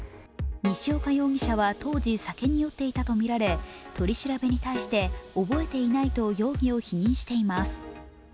西岡容疑者は当時、酒に酔っていたとみられ取り調べに対して、覚えていないと容疑を否認しています。